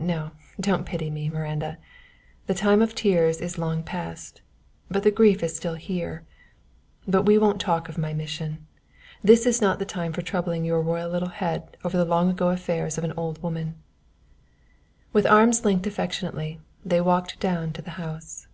No don't pity me, Miranda; the time of tears is long past, but the grief is here still. But we won't talk of my mission. This is not the time for troubling your royal little head over the long ago affairs of an old woman." With arms linked affectionately they walked down to the house.